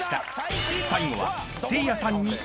［最後は］